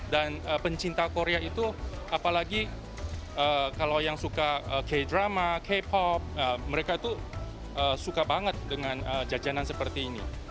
dan pencinta korea itu apalagi kalau yang suka k drama k pop mereka itu suka banget dengan jajanan seperti ini